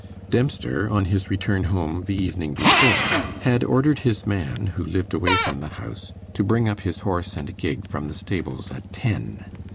Dempster, on his return home the evening before, had ordered his man, who lived away from the house, to bring up his horse and gig from the stables at ten.